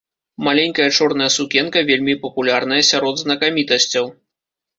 Маленькая чорная сукенка вельмі папулярная сярод знакамітасцяў.